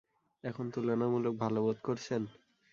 এখন তুলনামূলক ভালো বোধ করছেন?